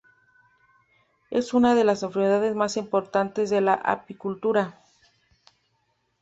Es una de las enfermedades más importantes de la apicultura.